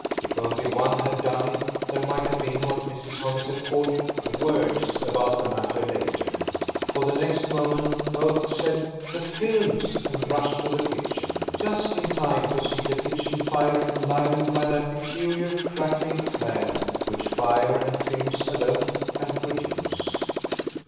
If only one had done it there might have been what Mrs. Honeysett called "words" about the matter later; for next moment both said, "The films!" and rushed to the kitchen–just in time to see the kitchen fire enlivened by that peculiar crackling flare which fire and films alone can produce.